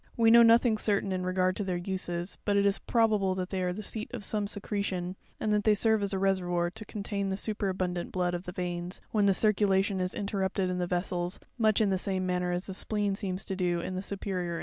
We know nothing certain in regard to their uses ; but it is probable they are the seat of some secretion, and that they serve as a reservoir to contain the superabundant blood of the veins, when the circulation is interrupted in the vessels, much in the same manner as the spleen seems to do in the superior animals.